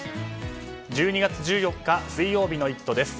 １２月１４日水曜日の「イット！」です。